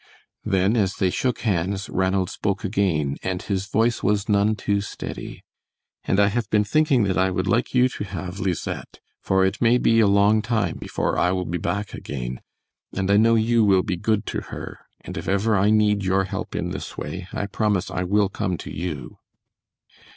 Then, as they shook hands, Ranald spoke again, and his voice was none too steady. "And I have been thinking that I would like you to have Lisette, for it may be a long time before I will be back again, and I know you will be good to her; and if ever I need your help in this way, I promise I will come to you."